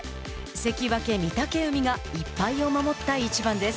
関脇・御嶽海が１敗を守った一番です。